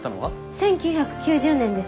１９９０年です。